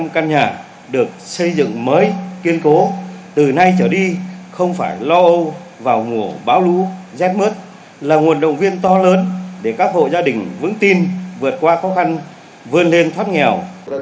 một bốn trăm linh căn nhà được xây dựng mới kiên cố từ nay trở đi không phải lo âu vào ngủ báo lú rét mất là nguồn động viên to lớn để các hộ gia đình vững tin vượt qua khó khăn vươn lên thoát nghèo